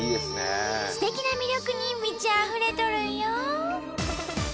すてきな魅力に満ちあふれとるんよ！